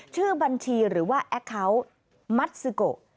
ชื่อบัญชีหรือว่าแอคเคาน์มัสซิโก